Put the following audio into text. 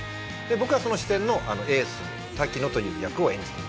僕はその支店のエースの滝野という役を演じています。